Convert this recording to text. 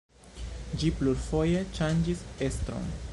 Ĝi plurfoje ŝanĝis estron.